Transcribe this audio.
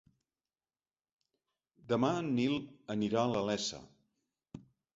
Demà en Nil anirà a la Iessa.